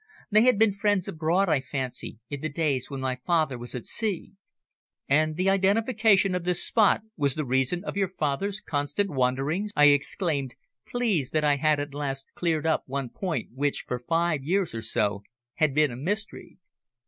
They had been friends abroad, I fancy, in the days when my father was at sea." "And the identification of this spot was the reason of your father's constant wanderings?" I exclaimed, pleased that I had at last cleared up one point which, for five years or so, had been a mystery.